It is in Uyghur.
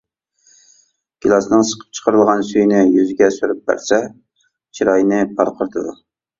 گىلاسنىڭ سىقىپ چىقىرىلغان سۈيىنى يۈزگە سۈرۈپ بەرسە، چىراينى پارقىرىتىدۇ.